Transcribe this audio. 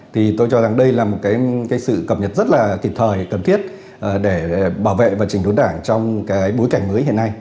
thì tôi cho rằng đây là một cái sự cập nhật rất là kịp thời cần thiết để bảo vệ và trình đốn đảng trong cái bối cảnh mới hiện nay